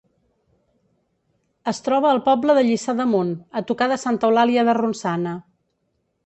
Es troba al poble de Lliçà d'Amunt, a tocar de Santa Eulàlia de Ronçana.